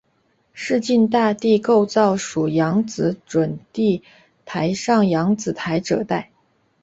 市境大地构造属扬子准地台上扬子台褶带。